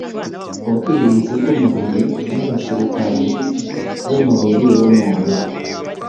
ubwirinzi bw’umubiri n’abasirikari b’umubiri w’umuntu